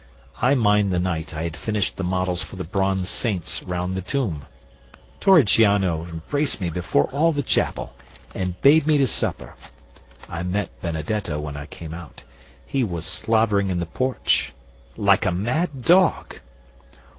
I mind the night I had finished the models for the bronze saints round the tomb; Torrigiano embraced me before all the chapel, and bade me to supper. I met Benedetto when I came out. He was slavering in the porch Like a mad dog.